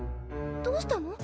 どうしたの？